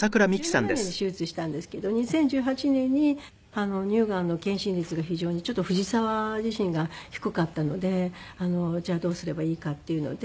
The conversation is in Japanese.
２０１７年に手術したんですけど２０１８年に乳がんの検診率が非常にちょっと藤沢自身が低かったのでじゃあどうすればいいかっていうので。